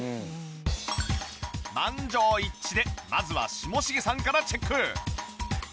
満場一致でまずは下重さんからチェック！